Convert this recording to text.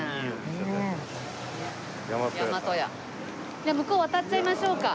じゃあ向こう渡っちゃいましょうか。